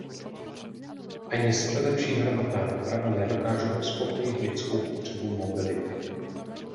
Ani sebelepší hromadná doprava nedokáže uspokojit lidskou potřebu mobility.